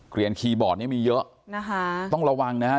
เรียนคีย์บอร์ดนี้มีเยอะนะคะต้องระวังนะฮะ